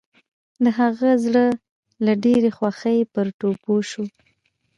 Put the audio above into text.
د هغه زړه له ډېرې خوښۍ پر ټوپو شو.